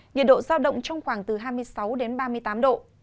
nhiệt độ giao động trong khoảng từ hai mươi sáu đến ba mươi tám độ